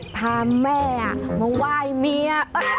พาแม่มาไหว้เมีย